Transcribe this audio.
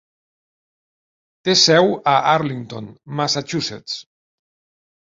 Té seu a Arlington, Massachusetts.